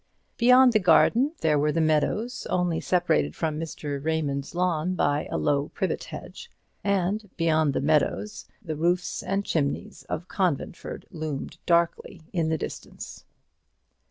Beyond the garden there were the meadows, only separated from Mr. Raymond's lawn by a low privet hedge; and beyond the meadows the roofs and chimneys of Conventford loomed darkly in the distance.